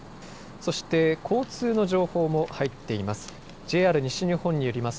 そして交通の情報も入っています。